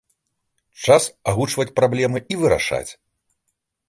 Час агучваць праблемы і вырашаць.